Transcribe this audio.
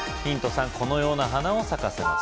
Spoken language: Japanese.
３このような花を咲かせます